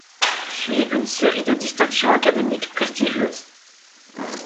Suivent une série de distinctions académiques prestigieuses.